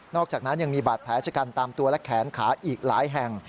อกจากนั้นยังมีบาดแผลชะกันตามตัวและแขนขาอีกหลายแห่ง